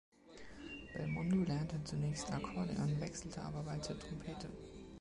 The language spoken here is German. Belmondo lernte zunächst Akkordeon, wechselte aber bald zur Trompete.